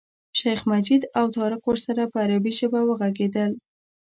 شیخ مجید او طارق ورسره په عربي ژبه وغږېدل.